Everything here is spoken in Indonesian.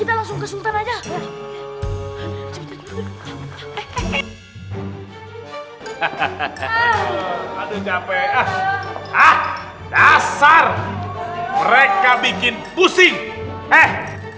ah ah ah dasar mereka bikin pusing eh